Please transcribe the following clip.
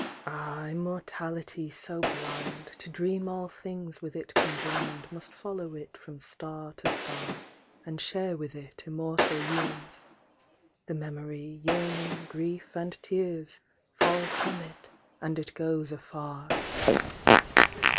Ah, immortality so blind, To dream all things with it conjoined Must follow it from star to star And share with it immortal years. The memory, yearning, grief, and tears, Fall from it and it goes afar.